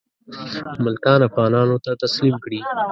ملتان افغانانو ته تسلیم کړي.